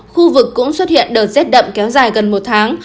khu vực cũng xuất hiện đợt rét đậm kéo dài gần một tháng